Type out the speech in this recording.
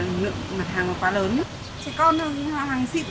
hồi cùng lượt màn ở hammer có lớn nhất trời con hàng chị có